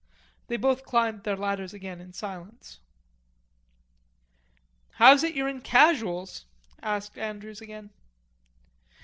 They both climbed their ladders again in silence. "How's it you're in Casuals?" asked Andrews again.